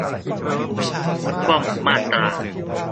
คว่ำมาตรา